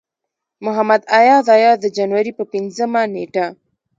محمد اياز اياز د جنوري پۀ پينځمه نيټه